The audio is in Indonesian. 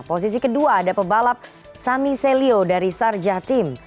posisi kedua ada pebalap sami celio dari sarjah team